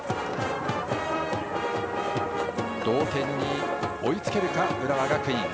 同点に追いつけるか浦和学院。